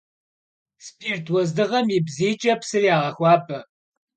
Spirt vuezdığem yi bziymç'e psır yağexuabe.